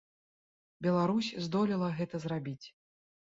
Беларусь здолела гэта зрабіць.